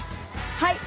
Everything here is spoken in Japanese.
はい！